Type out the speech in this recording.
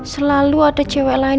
selalu ada cewek lain